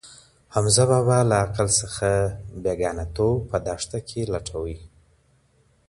حمزه بابا له عقل څخه بېګانه توب په دښته کې لټوي.